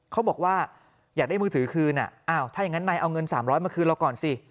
เขาบอกว่าอยากได้มือถือคืนถ้าอย่างนั้นนายเอาเงิน๓๐๐มาคืนเราก่อนสิ